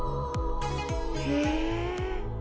へえ。